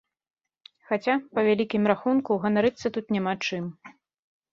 Хаця, па вялікім рахунку, ганарыцца тут няма чым.